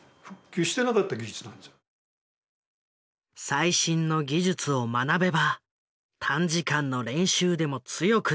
最新の技術を学べば短時間の練習でも強くなれる！